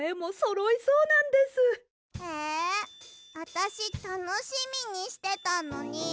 えあたしたのしみにしてたのに。